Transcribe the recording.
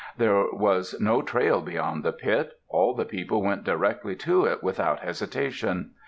There was no trail beyond the pit. All the people went directly to it, without hesitation.